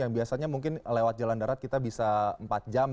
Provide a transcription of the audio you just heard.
yang biasanya mungkin lewat jalan darat kita bisa empat jam